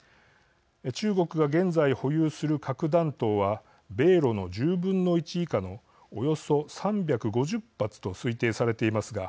中国が現在保有する核弾頭は米ロの１０分の１以下のおよそ３５０発と推定されていますが